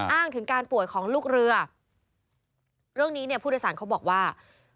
อ้างถึงการป่วยของลูกเรือเรื่องนี้เนี่ยผู้โดยสารเขาบอกว่า